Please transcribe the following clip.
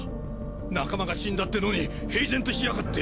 仲間が死んだってのに平然としやがって！